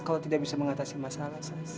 kalau tidak bisa mengatasi masalah